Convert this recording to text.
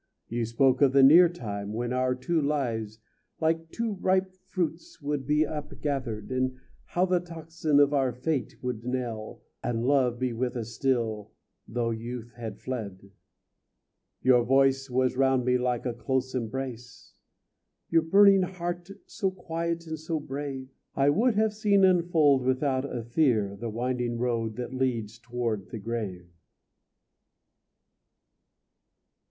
You spoke of the near time when our two lives, Like too ripe fruits, would be upgathered, And how the tocsin of our fate would knell, And love be with us still, though youth had fled. Your voice was round me like a close embrace, Your burning heart so quiet and so brave, I would have seen unfold without a fear The winding road that leads toward the grave.